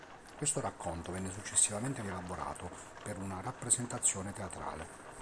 Questo racconto venne successivamente rielaborato per una rappresentazione teatrale.